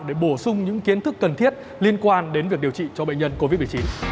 để bổ sung những kiến thức cần thiết liên quan đến việc điều trị cho bệnh nhân covid một mươi chín